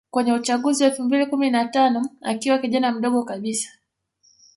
kwenye uchaguzi wa elfu mbili kumi na tano akiwa kijana mdogo kabisa